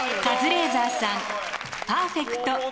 カズレーザーさんパーフェクト。